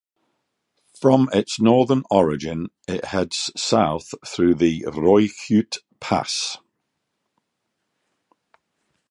From its northern origin, it heads south through the Rooihoogte Pass.